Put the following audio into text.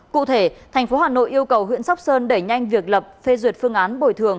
cụ thể tp hà nội yêu cầu huyện sóc sơn để nhanh việc lập phê duyệt phương án bồi thường